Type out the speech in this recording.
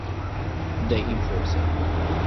The Enforcer